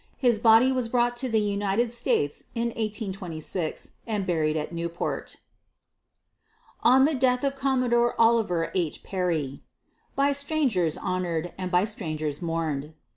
His body was brought to the United States in 1826 and buried at Newport. ON THE DEATH OF COMMODORE OLIVER H. PERRY By strangers honor'd, and by strangers mourn'd.